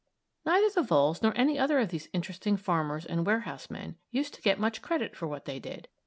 Neither the voles nor any other of these interesting farmers and warehousemen used to get much credit for what they did.